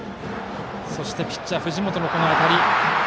そして、ピッチャー藤本のこの当たり。